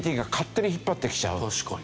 確かに。